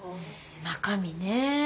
中身ねぇ。